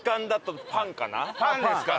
「パン」ですか。